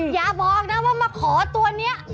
อย่าบอกนะว่ามาขอตัวนี้